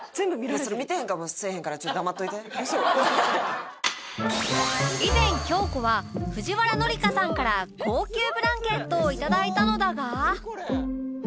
それ見てへんかもせえへんから以前京子は藤原紀香さんから高級ブランケットを頂いたのだが